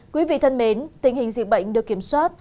quý vị thân mến tình hình dịch bệnh được kiểm soát